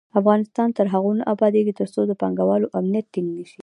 افغانستان تر هغو نه ابادیږي، ترڅو د پانګه والو امنیت ټینګ نشي.